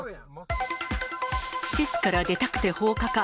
施設から出たくて放火か。